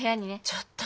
ちょっと。